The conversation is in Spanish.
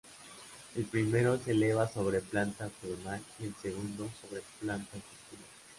El primero se elevaba sobre planta octogonal y el segundo, sobre planta circular.